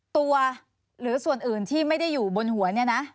ตัวหรือส่วนอื่นที่ไม่ได้อยู่บนหัวเนี่ยนะ